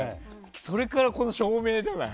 それからこの照明じゃない。